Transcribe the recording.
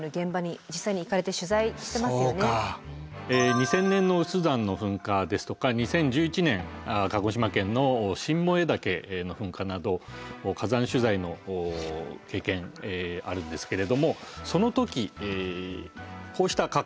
２０００年の有珠山の噴火ですとか２０１１年鹿児島県の新燃岳の噴火など火山取材の経験あるんですけれどもその時こうした格好をしていました。